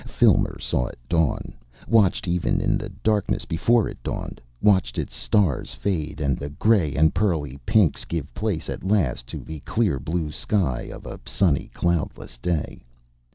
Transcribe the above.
Filmer saw it dawn, watched even in the darkness before it dawned, watched its stars fade and the grey and pearly pinks give place at last to the clear blue sky of a sunny, cloudless day.